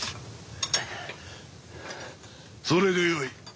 それでよい。